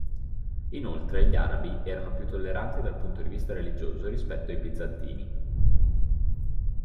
Inoltre gli arabi erano più tolleranti dal punto di vista religioso rispetto ai bizantini.